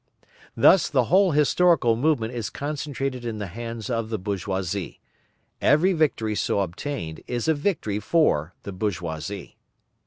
Thus the whole historical movement is concentrated in the hands of the bourgeoisie; every victory so obtained is a victory for the bourgeoisie.